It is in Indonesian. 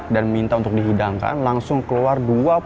dan minta untuk dihidangkan langsung keluar